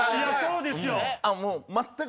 そうですよ。